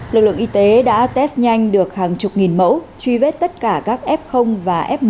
lực lượng y tế đã test nhanh được hàng chục nghìn mẫu truy vết tất cả các f và f một